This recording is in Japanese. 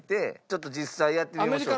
ちょっと実際やってみましょうか。